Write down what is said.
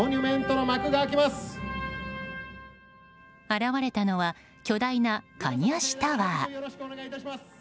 現れたのは巨大なカニ足タワー。